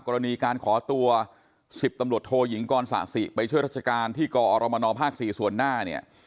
กรณีการขอตัว๑๐ตำรวจโทยิงกรสะสิไปช่วยราชการที่กอรมนภ๔ส่วนหน้าเนี่ย